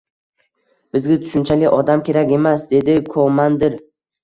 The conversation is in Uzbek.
— Bizga tushunchali odam kerak emas, — dedi ko-mandir.